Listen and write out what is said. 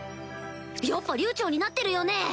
やっぱ流暢になってるよね？